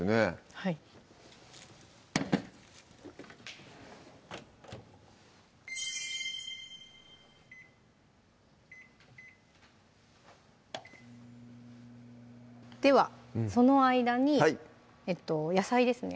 はいではその間に野菜ですね